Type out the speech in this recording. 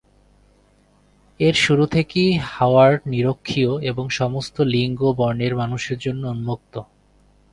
এর শুরু থেকেই হাওয়ার্ড নিরক্ষীয় এবং সমস্ত লিঙ্গ এবং বর্ণের মানুষের জন্য উন্মুক্ত।